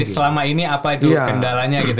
jadi selama ini apa itu kendalanya gitu